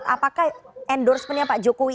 apakah endorsementnya pak jokowi